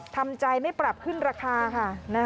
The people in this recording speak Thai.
ทำใจไม่ปรับขึ้นราคาค่ะ